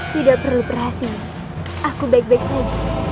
tidak perlu berhasil aku baik baik saja